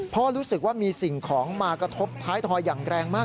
เพราะรู้สึกว่ามีสิ่งของมากระทบท้ายทอยอย่างแรงมาก